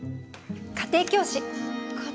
家庭教師⁉